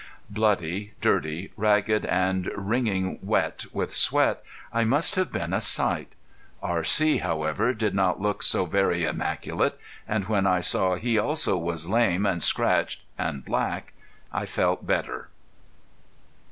Bloody, dirty, ragged and wringing wet with sweat I must have been a sight. R.C. however, did not look so very immaculate, and when I saw he also was lame and scratched and black I felt better.